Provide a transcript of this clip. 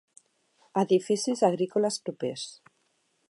Edificis agrícoles propers.